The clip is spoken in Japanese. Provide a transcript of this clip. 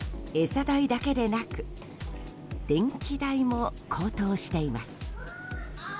餌代だけでなく電気代も高騰しています。